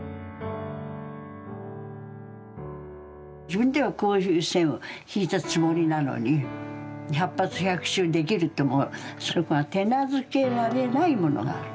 自分ではこういう線を引いたつもりなのに百発百中できると思うそこが手なずけられないものがある。